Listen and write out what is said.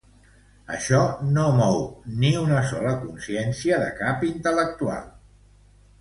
Això no mou ni una sola consciència de cap intel·lectual espanyol.